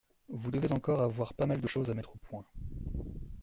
Vous devez encore avoir pas mal de choses à mettre au point.